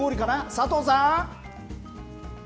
佐藤さん。